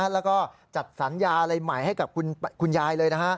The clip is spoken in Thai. แล้วก็จัดสัญญาอะไรใหม่ให้กับคุณยายเลยนะฮะ